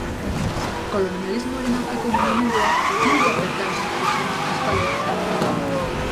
Koloniarismoaren aurkako mugimendua Indian bertan sortu zen, aspaldi.